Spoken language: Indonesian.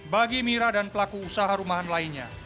bagi mira dan pelaku usaha rumahan lainnya